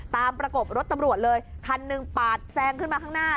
ประกบรถตำรวจเลยคันหนึ่งปาดแซงขึ้นมาข้างหน้า